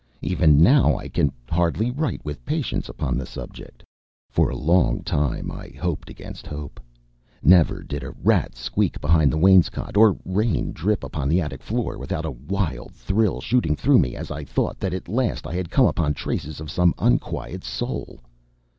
Even now I can hardly write with patience upon the subject. For a long time I hoped against hope. Never did a rat squeak behind the wainscot, or rain drip upon the attic floor, without a wild thrill shooting through me as I thought that at last I had come upon traces of some unquiet soul.